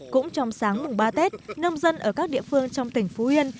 cũng trong sáng mùng ba tết nông dân ở các địa phương trong tỉnh phú yên